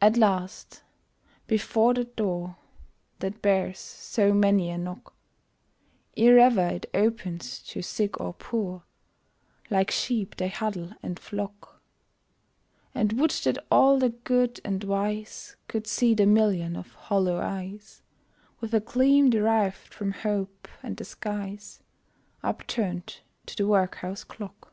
At last, before that door That bears so many a knock Ere ever it opens to Sick or Poor, Like sheep they huddle and flock And would that all the Good and Wise Could see the Million of hollow eyes, With a gleam deriv'd from Hope and the skies, Upturn'd to the Workhouse Clock!